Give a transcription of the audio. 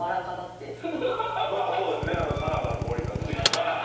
まあそうですねさらばの森田さんとか。